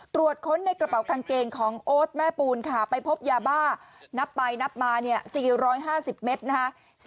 ตรวจค้นในกระเป๋ากางเกงของโอ๊ตแม่ปูนค่ะไปพบยาบ้านับไปนับมา๔๕๐เมตรนะคะ